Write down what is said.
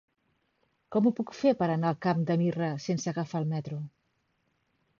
Com ho puc fer per anar al Camp de Mirra sense agafar el metro?